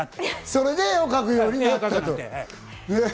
それで絵を描くようになったと。